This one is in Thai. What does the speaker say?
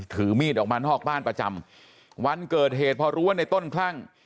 ถือมีดออกมานอกบ้านประจำวันเกิดเหตุพอรู้ว่าในต้นคลั่ง